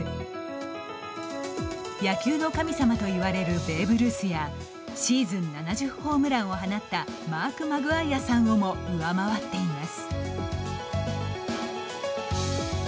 野球の神様と言われるベーブ・ルースやシーズン７０ホームランを放ったマーク・マグワイアさんをも上回っています。